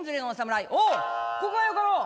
「おうここがよかろう！」。